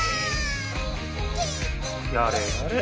やれやれ。